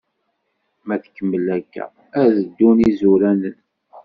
Ma tkemmel akka, ad d-ddun izuranen.